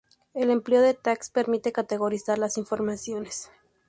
El empleo de tags permite categorizar las informaciones.